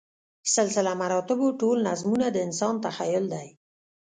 سلسله مراتبو ټول نظمونه د انسان تخیل دی.